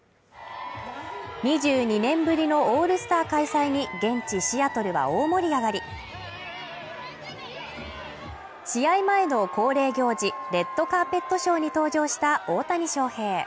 ２２年ぶりのオールスター開催に現地シアトルは大盛り上がり試合前の恒例行事、レッドカーペットショーに登場した大谷翔平